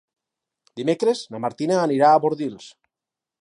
Dimecres na Martina anirà a Bordils.